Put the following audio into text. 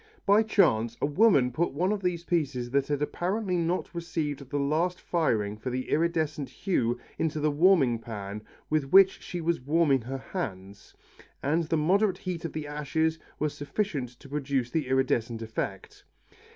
By chance a woman put one of these pieces that had apparently not received the last firing for the iridescent hue into the warming pan with which she was warming her hands, and the moderate heat of the ashes was sufficient to produce the iridescent effect.